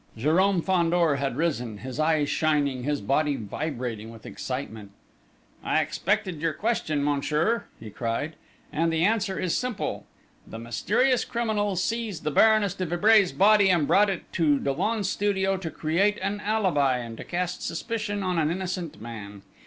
Jérôme Fandor had risen, his eyes shining, his body vibrating with excitement. "I expected your question, monsieur," he cried; "and the answer is simple. The mysterious criminals seized the Baroness de Vibray's body and brought it to Dollon's studio to create an alibi, and to cast suspicion on an innocent man.